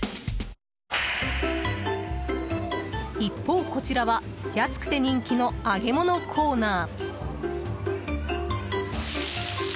一方こちらは安くて人気の揚げ物コーナー。